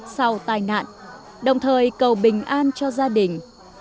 sau tai nạn đồng thời cầu bình an cho gia đình